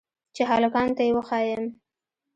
چې هلکانو ته يې وښييم.